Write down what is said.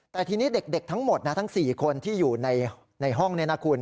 แต่ทีนี้เด็กทั้งหมดนะทั้ง๔คนที่อยู่ในห้องนี้นะคุณ